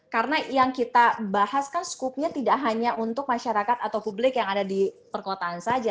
karena yang kita bahas kan skupnya tidak hanya untuk masyarakat atau publik yang ada di perkotaan saja